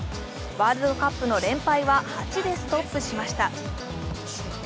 ワールドカップの連敗は８でストップしました。